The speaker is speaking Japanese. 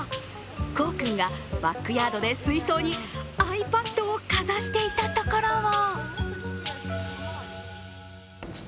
幸生君がバックヤードで水槽にｉＰａｄをかざしていたところを。